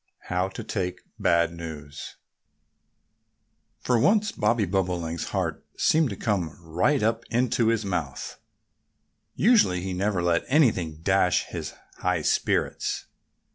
XXI HOW TO TAKE BAD NEWS FOR once Bobby Bobolink's heart seemed to come right up into his mouth. Usually he never let anything dash his high spirits.